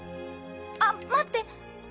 あっ待って！